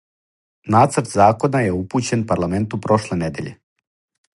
Нацрт закона је упућен парламенту прошле недеље.